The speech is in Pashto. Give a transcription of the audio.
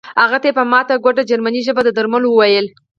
هغه ته یې په ماته ګوډه جرمني ژبه د درملو وویل